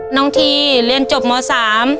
น้องธีฯเรียนจบหมอ๓